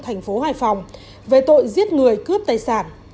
thành phố hải phòng về tội giết người cướp tài sản